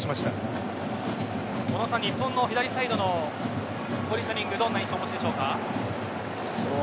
小野さん、日本の左サイドのポジショニングはどんな印象をお持ちでしょうか。